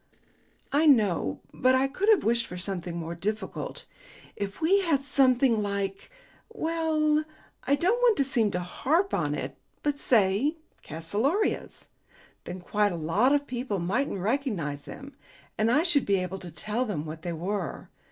"I know. But I could have wished for something more difficult. If we had something like well, I don't want to seem to harp on it, but say calceolarias, then quite a lot of people mightn't recognize them, and I should be able to tell them what they were.